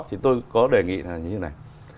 thì tôi có đề nghị là như thế này